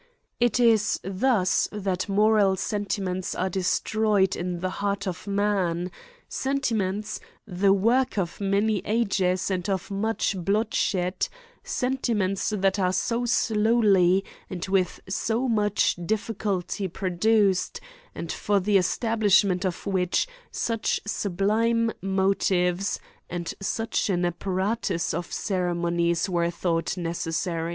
It is thus that moral sentiments are distroyed in the heart of man; sentiments, the work of many ages and of much bloodshed; sentiments that are so slowly and with so much difficulty produced, and for the establishment of which such sublime motives and such an apparatus of ceremonies were thought necessary